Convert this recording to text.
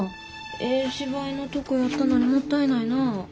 ええ芝居のとこやったのにもったいないなあ。